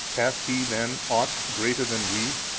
Hath he then ought greater than we?